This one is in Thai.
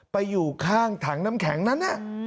ไปอยู่ข้างถังน้ำแข็งนั้น